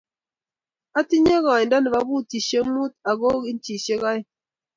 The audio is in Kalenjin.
Atinye koindo nebo butishek muut ago inchishek aeng--